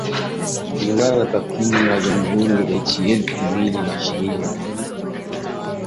Kulingana na takwimu za Januari elfu mbili na ishirini na mbili kutoka Benki Kuu ya Uganda